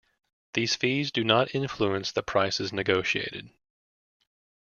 These fees do not influence the prices negotiated.